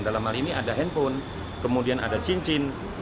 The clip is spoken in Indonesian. dalam hal ini ada handphone kemudian ada cincin